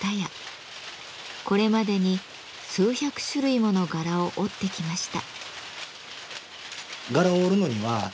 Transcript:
これまでに数百種類もの柄を織ってきました。